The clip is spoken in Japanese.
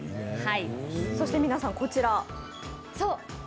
そして皆さん、こちら。